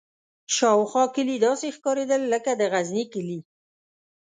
شاوخوا کلي داسې ښکارېدل لکه د غزني کلي.